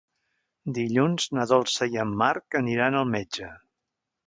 Dilluns na Dolça i en Marc aniran al metge.